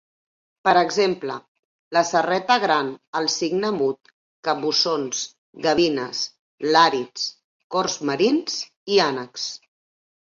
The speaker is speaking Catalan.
Per exemple: la serreta gran, el cigne mut, cabussons, gavines, làrids, corbs marins i ànecs.